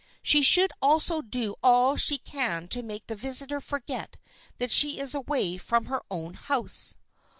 She should also do all she can to make the visitor forget that she is away from her own house.